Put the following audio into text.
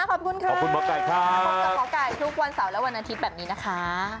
ขอบคุณบ๊อคแก่ทุกวันเสาระวันอาทิตย์แบบนี้นะคะ